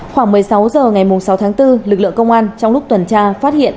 khoảng một mươi sáu h ngày sáu tháng bốn lực lượng công an trong lúc tuần tra phát hiện